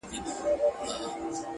هره ورځ به نه وي غم د اردلیانو-